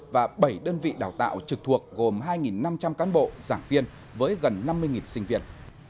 và bảy đơn vị đào tạo trực thuộc gồm hai năm trăm linh cán bộ giảng viên với gần năm mươi sinh viên